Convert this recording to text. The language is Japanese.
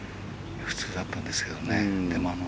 普通だったんですけどね。